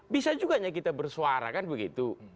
bisa juga kita bersuarakan begitu